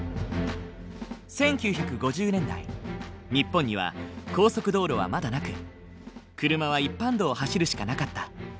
日本には高速道路はまだなく車は一般道を走るしかなかった。